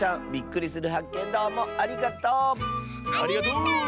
ありがとう！